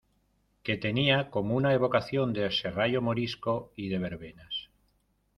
que tenía como una evocación de serrallo morisco y de verbenas.